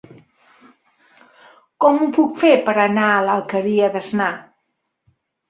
Com ho puc fer per anar a l'Alqueria d'Asnar?